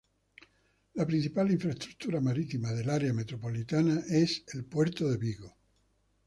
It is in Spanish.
La principal infraestructura marítima del área metropolitana es el Puerto de Vigo.